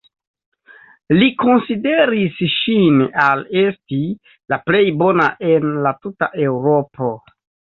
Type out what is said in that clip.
Li konsideris ŝin al esti la plej bona en la tuta Eŭropo.